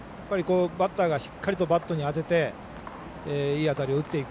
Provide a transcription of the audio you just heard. バッターがしっかりとバットに当てていい当たりを打っていく。